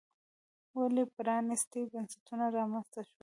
ولې پرانیستي بنسټونه رامنځته شول.